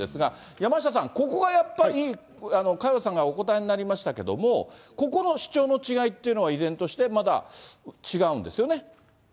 山下さん、ここがやっぱり、佳代さんがお答えになりましたけども、ここの主張の違いっていうのは、依然としてまだ違うんですよね？